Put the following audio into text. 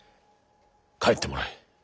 帰ってもらえ。